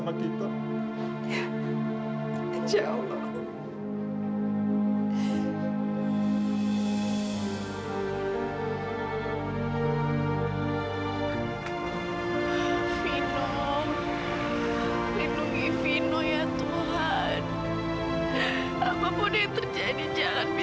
mengalami penderitaan seperti ini mi